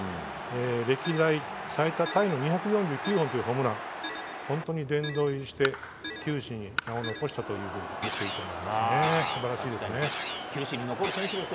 歴代最多タイの２４９本というホームラン、本当に殿堂入りして球史に名を残したと言っていいと思います。